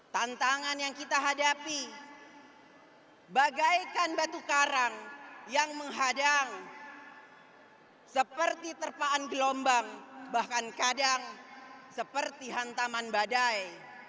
tantangan yang kita hadapi bagaikan batu karang yang menghadang seperti terpaan gelombang bahkan kadang seperti hantaman badai